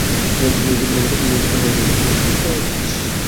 নির্বাচন সুষ্ঠু হয়নি।